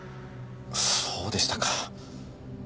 そうでしたか。